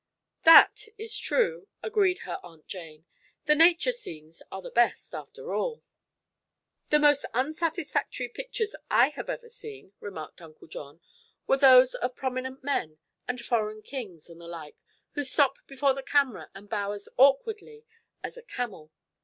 "That is true," agreed her Aunt Jane. "The nature scenes are the best, after all." "The most unsatisfactory pictures I have ever seen," remarked Uncle John, "were those of prominent men, and foreign kings, and the like, who stop before the camera and bow as awkwardly as a camel.